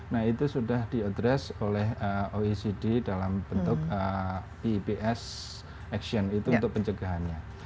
nah itu sudah diadres oleh oecd dalam bentuk ebs action itu untuk pencegahannya